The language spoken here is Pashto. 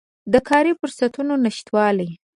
د کاري فرصتونو نشتوالی